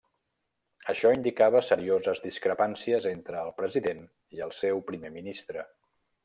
Això indicava serioses discrepàncies entre el president i el seu primer ministre.